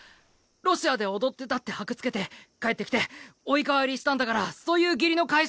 「ロシアで踊ってた」って箔付けて帰って来て「生川」入りしたんだからそういう義理の返し方も。